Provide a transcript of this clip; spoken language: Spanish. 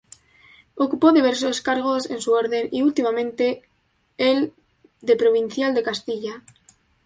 Ocupó diversos cargos en su Orden, y últimamente el de provincial de Castilla.